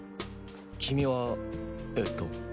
君はええと。